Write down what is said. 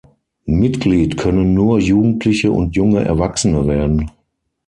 Mitglied können nur Jugendliche und junge Erwachsene werden.